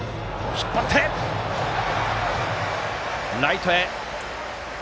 引っ張ってライトへ！